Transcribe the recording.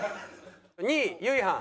２位ゆいはん。